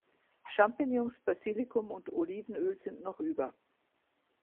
Champignons, Basilikum und Olivenöl sind noch über.